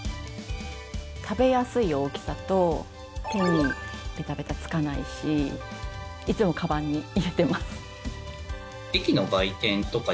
食べやすい大きさと手にベタベタつかないしいつもかばんに入れてます。